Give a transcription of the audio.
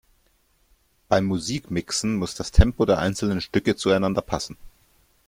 Beim Musikmixen muss das Tempo der einzelnen Stücke zueinander passen.